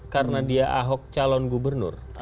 karena dia ahok calon gubernur